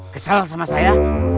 kesel sama saya